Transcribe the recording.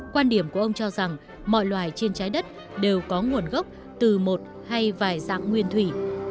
quan điểm của ông cho rằng mọi loài trên trái đất đều có nguồn gốc từ một hay vài dạng nguyên thủy